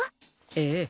ええ。